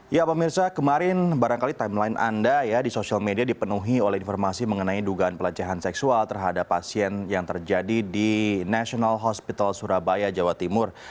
ya pak mirsa kemarin barangkali timeline anda ya di sosial media dipenuhi oleh informasi mengenai dugaan pelecehan seksual terhadap pasien yang terjadi di national hospital surabaya jawa timur